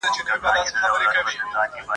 دلته د يو څو داسي درنو نومونو